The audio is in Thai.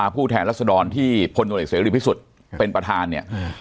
ผู้แทนรัศดรที่ผลโดยเหล็กเสียดีที่สุดเป็นประธานเนี่ย